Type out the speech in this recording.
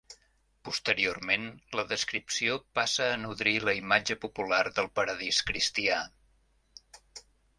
Posteriorment, la descripció passa a nodrir la imatge popular del paradís cristià.